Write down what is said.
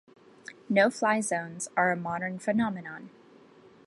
No-fly zones are a modern phenomenon.